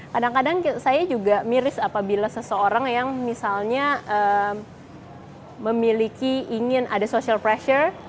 kadang kadang saya juga miris apabila seseorang yang misalnya memiliki ingin ada social pressure